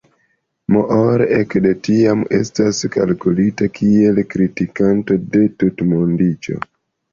Moore ekde tiam estas kalkulita kiel kritikanto de tutmondiĝo.